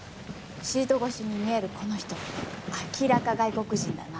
シート越しに見えるこの人明らか外国人だな。